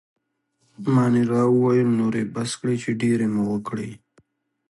مانیرا وویل: نور يې بس کړئ، چې ډېرې مو وکړې.